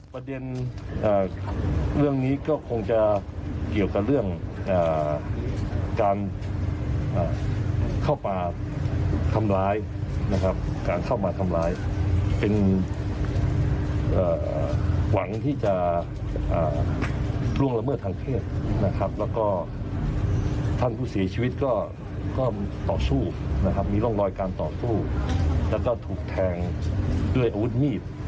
ประเด็นเรื่องนี้ก็คงจะเกี่ยวกับเรื่องการเข้ามาทำร้ายนะครับการเข้ามาทำร้ายเป็นหวังที่จะล่วงละเมิดทางเพศนะครับแล้วก็ท่านผู้เสียชีวิตก็ต่อสู้นะครับมีร่องรอยการต่อสู้แล้วก็ถูกแทงด้วยอาวุธมีด